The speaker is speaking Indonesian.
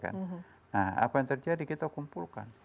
nah apa yang terjadi kita kumpulkan